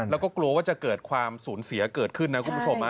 แล้วก็กลัวว่าจะเกิดความสูญเสียเกิดขึ้นนะคุณผู้ชม